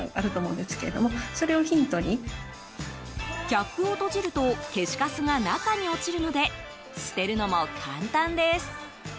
キャップを閉じると消しカスが中に落ちるので捨てるのも簡単です。